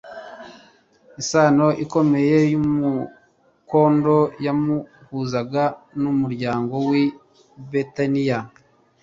Isano ikomeye y'umktmdo yamuhuzaga n'umuryango w'i Betaniya,